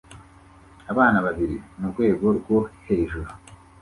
Abana babiri murwego rwo hejuru